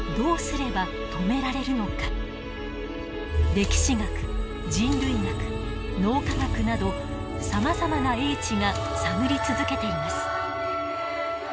歴史学人類学脳科学などさまざまな英知が探り続けています。